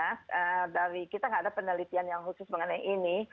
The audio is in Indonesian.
kita tidak ada penelitian yang khusus mengenai ini